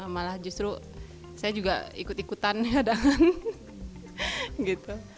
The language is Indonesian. malah justru saya juga ikut ikutan dengan gitu